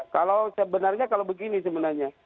kalau sebenarnya kalau begini sebenarnya